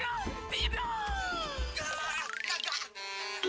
ya anak kapan ini